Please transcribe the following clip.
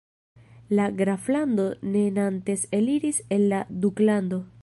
La graflando de Nantes eliris el la duklando.